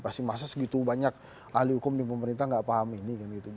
pasti masa segitu banyak ahli hukum di pemerintah nggak paham ini kan gitu